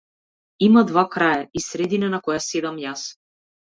Има два краја и средина на која седам јас.